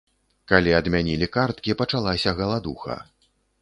Калі адмянілі карткі, пачалася галадуха.